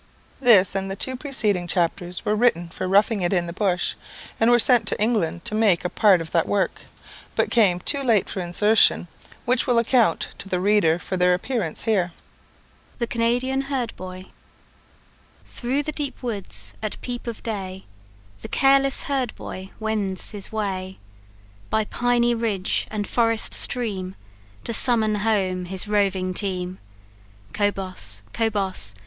'" [This, and the two preceding chapters, were written for "Roughing it in the Bush," and were sent to England to make a part of that work, but came too late for insertion, which will account to the reader for their appearance here.] The Canadian Herd Boy. "Through the deep woods, at peep of day, The careless herd boy wends his way, By piny ridge and forest stream, To summon home his roving team Cobos! cobos!